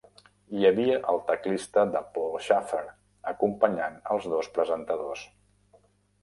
Hi havia el teclista de Paul Shaffer acompanyant als dos presentadors.